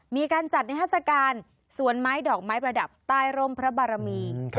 มีการจัดนิทัศกาลสวนไม้ดอกไม้ประดับใต้ร่มพระบารมี